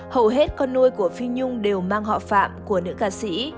hầu hết con nuôi của phi nhung đều mang họ phạm của nữ ca sĩ